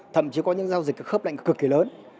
thậm chí có những giao dịch khớp lệnh cực kỳ lớn